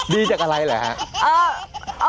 ดีจากอะไรเหรอฮะ